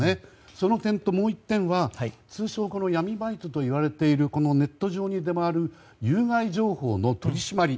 その点と、もう１点は通称闇バイトといわれているネット上に出回る有害情報の取り締まり